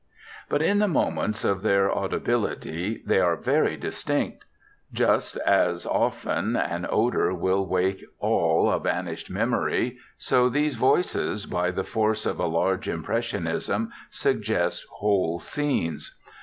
But in the moments of their audibility they are very distinct. Just as often an odor will wake all a vanished memory, so these voices, by the force of a large impressionism, suggest whole scenes.